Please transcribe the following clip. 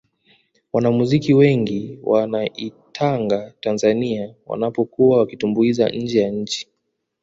wanamuziki wengi wanaitanga tanzania wanapokuwa wakitumbuiza nje ya nchi